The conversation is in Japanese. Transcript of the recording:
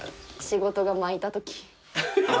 「仕事が巻いたとき」